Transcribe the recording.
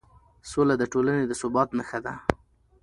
سوله د ټولنې د ثبات نښه ده